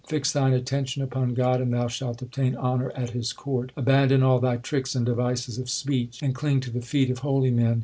Fix thine attention upon God, And thou shalt obtain honour at His court. Abandon all thy tricks and devices of speech, And cling to the feet of holy men.